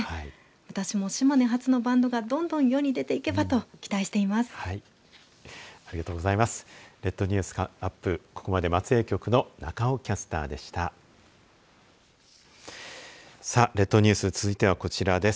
私も島根発のバンドがどんどん世に出ていけばと期待しています。